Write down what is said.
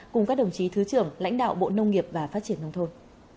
cùng các đồng chí thứ trưởng lãnh đạo bộ nông nghiệp và phát triển nông thôn